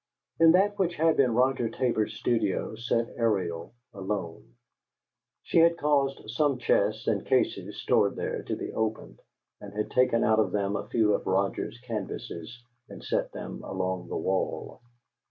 In that which had been Roger Tabor's studio sat Ariel, alone. She had caused some chests and cases, stored there, to be opened, and had taken out of them a few of Roger's canvases and set them along the wall.